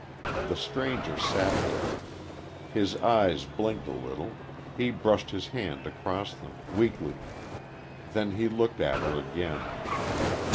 The stranger sat there. His eyes blinked a little; he brushed his hand across them, weakly. Then he looked at her again.